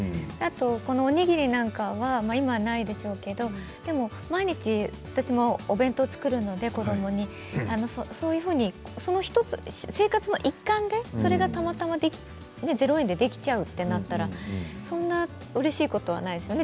おにぎりなんかは今はないでしょうけど私も毎日お弁当を子どもに作るので生活の一環で、それがたまたま０円でできちゃうとなったらそんなうれしいことはないですよね。